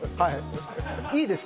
いいですか？